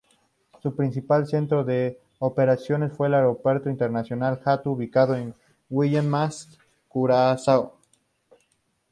Su principal centro de operaciones fue el Aeropuerto Internacional Hato ubicado en Willemstad, Curazao.